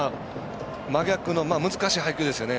真逆の難しい配球ですよね。